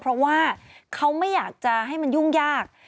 เพราะว่าเขาไม่อยากจะให้มันยุ่งยาก